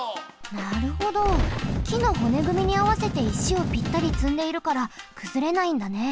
なるほどきのほねぐみにあわせて石をぴったりつんでいるからくずれないんだね。